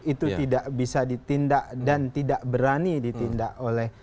itu tidak bisa ditindak dan tidak berani ditindak oleh